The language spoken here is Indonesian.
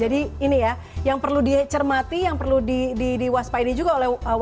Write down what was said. jadi ini ya yang perlu dicermati yang perlu diwaspaini juga oleh warganet